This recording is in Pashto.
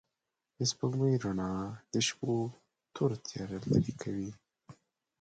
د سپوږمۍ رڼا د شپو توره تياره لېرې کوي.